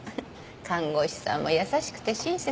看護師さんも優しくて親切だし。